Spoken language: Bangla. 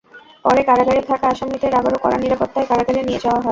পরে কারাগারে থাকা আসামিদের আবারও কড়া নিরাপত্তায় কারাগারে নিয়ে যাওয়া হয়।